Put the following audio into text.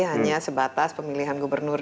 hanya sebatas pemilihan gubernur